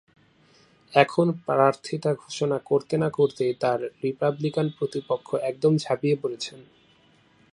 এখন প্রার্থিতা ঘোষণা করতে না-করতেই তাঁর রিপাবলিকান প্রতিপক্ষ একদম ঝাঁপিয়ে পড়েছেন।